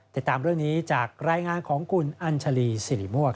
ติดตามเรื่องนี้จากรายงานของคุณอัญชาลีสิริมวก